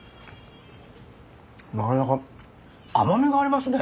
なかなか甘みがありますね。